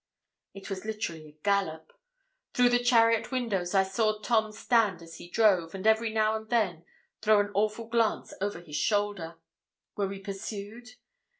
It was literally a gallop. Through the chariot windows I saw Tom stand as he drove, and every now and then throw an awful glance over his shoulder. Were we pursued?